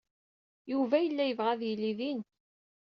Yuba yella yebɣa ad yili din.